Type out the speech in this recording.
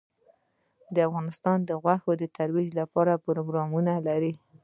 افغانستان د غوښې د ترویج لپاره پروګرامونه لري.